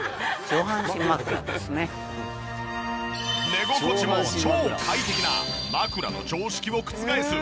寝心地も超快適な枕の常識を覆す